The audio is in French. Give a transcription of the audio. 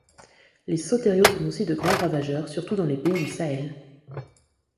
Les sauteriaux sont aussi de grands ravageurs, surtout dans les pays du Sahel.